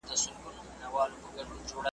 بوراګلي تر انګاره چي رانه سې .